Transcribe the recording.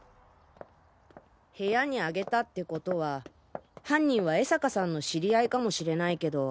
部屋に上げたってことは犯人は江坂さんの知り合いかもしれないけど。